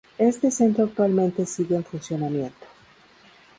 Este centro actualmente sigue en funcionamiento.